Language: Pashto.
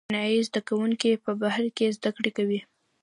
چینايي زده کوونکي په بهر کې زده کړې کوي.